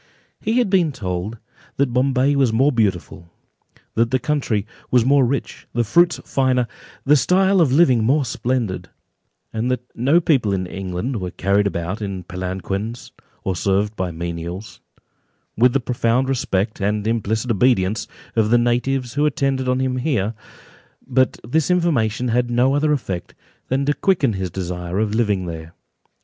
He had been told, that Bombay was more beautiful, that the country was more rich, the fruits finer, the style of living more splendid, and that no people in England were carried about in palanquins, or served by menials, with the profound respect, and implicit obedience, of the natives who attended on him here; but this information had no other effect than to quicken his desire of living there.